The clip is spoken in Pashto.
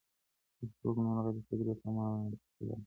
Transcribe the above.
د بښتورګو ناروغۍ د سګرټ له امله منځ ته راځي.